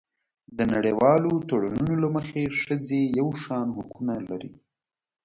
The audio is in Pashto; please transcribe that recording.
د نړیوالو تړونونو له مخې ښځې یو شان حقونه لري.